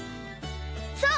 そう！